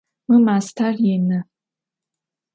Mı master yinı.